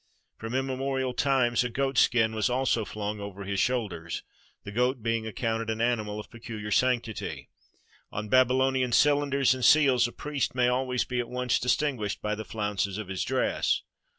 From immemorial times a goat skin was also flung over his shoulders, the goat being accounted an animal of peculiar sanctity. On Babylonian cylinders and seals a priest may always be at once distinguished by the flounces of his dress.